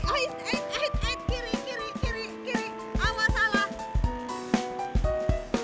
eh kiri kiri kiri kiri awal salah